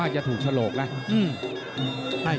จะถูกสโลกนะ